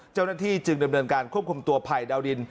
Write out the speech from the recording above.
เจ้าหน้าที่จึงดำเนินการควบคุมตัวภัยดาวดิน